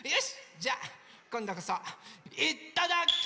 じゃあこんどこそいただきや。